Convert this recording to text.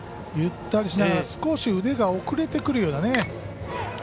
ゆったりした少し腕が遅れてくるような。